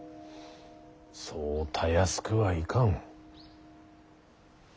そうたやすくはいかん。